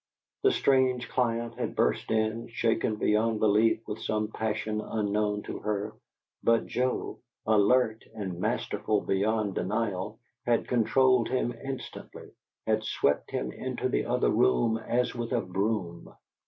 The strange client had burst in, shaken beyond belief with some passion unknown to her, but Joe, alert, and masterful beyond denial, had controlled him instantly; had swept him into the other room as with a broom.